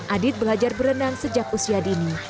adit belajar berenang sejak usia dini